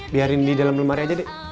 biarin di dalam lemari aja deh